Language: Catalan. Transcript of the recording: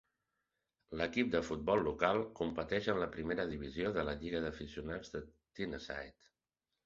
L'equip de futbol local competeix en la primera divisió de la lliga d'aficionats de Tyneside.